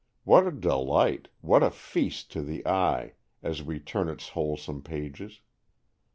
What a delight, what a feast to the eye, as we turn its wholesome pages!